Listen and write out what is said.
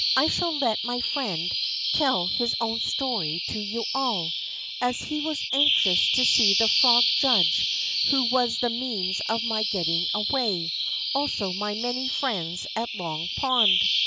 I shall let my friend tell his own story to you all, as he was anxious to see the frog judge who was the means of my getting away, also my many friends at Long Pond."